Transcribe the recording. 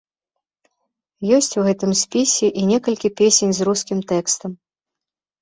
Ёсць у гэтым спісе і некалькі песень з рускім тэкстам.